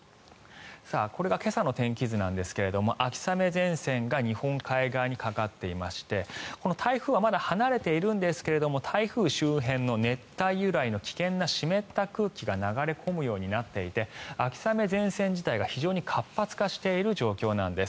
これが今朝の天気図ですが秋雨前線が日本海側にかかっていまして台風はまだ離れているんですが台風周辺の熱帯由来の危険な湿った空気が流れ込むようになっていて秋雨前線自体が非常に活発化している状況です。